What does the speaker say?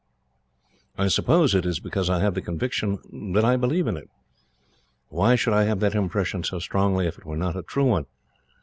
I suppose it is because I have the conviction that I believe in it. Why should I have that impression so strongly, if it were not a true one?